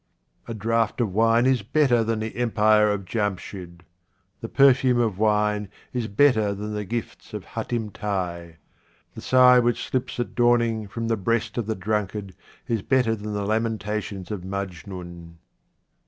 A DRAUGHT of wine is better than the empire of Jamshid. The perfume of wine is better than the gifts of Hatim Tai. The sigh which slips at dawning from the breast of the drunkard is better than the lamentations of Majnun.